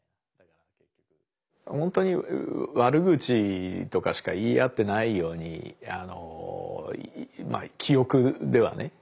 本当に悪口とかしか言い合ってないように記憶ではね。